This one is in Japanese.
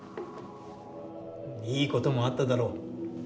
いいこともあっただろう。